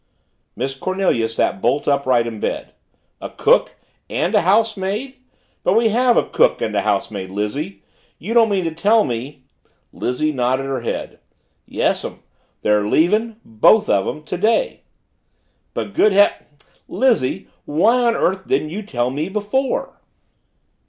Miss Cornelia sat bolt upright in bed. "A cook and a housemaid? But we have a cook and a housemaid, Lizzie! You don't mean to tell me " Lizzie nodded her head. "Yes'm. They're leaving. Both of 'em. Today." "But good heav Lizzie, why on earth didn't you tell me before?"